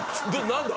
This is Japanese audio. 何だ？